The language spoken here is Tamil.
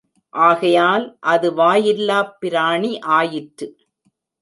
ஆகையால் அது வாயில்லாப் பிராணி ஆயிற்று.